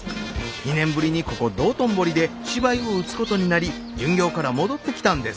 ２年ぶりにここ道頓堀で芝居を打つことになり巡業から戻ってきたんです。